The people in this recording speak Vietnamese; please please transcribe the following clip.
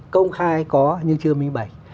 công khai có nhưng chưa minh bạch